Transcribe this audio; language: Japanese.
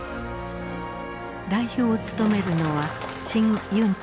代表を務めるのはシン・ユンチャンさん。